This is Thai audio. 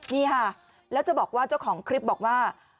นี่ค่ะแล้วจะบอกว่าเจ้าของคลิปบอกว่า